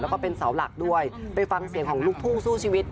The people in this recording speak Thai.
แล้วก็เป็นเสาหลักด้วยไปฟังเสียงของลูกทุ่งสู้ชีวิต